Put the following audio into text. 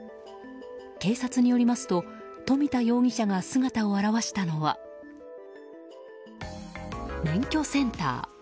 警察によりますと富田容疑者が姿を現したのは免許センター。